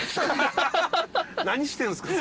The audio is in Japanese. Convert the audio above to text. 「何してんすか？